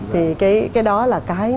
thì cái đó là cái